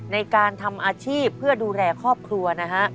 ในการทำอาชีพเพื่อดูแลครอบครัวนะฮะ